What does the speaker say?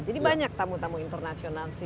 jadi banyak tamu tamu internasional disini